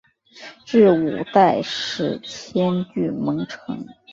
至五代时迁居蒙城。